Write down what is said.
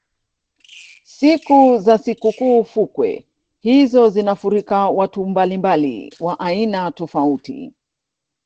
siku za sikukuu fukwe hizo zinafurika watu mbalimbali wa aina tofauti